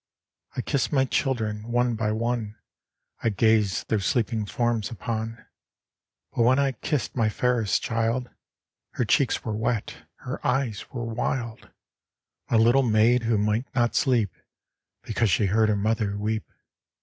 I kissed my children, one by one, I gazed their sleeping forms upon ; But when I kissed my fairest child, Her cheeks were wet, her eyes were wild My little maid who might not sleep Because she heard her mother weep.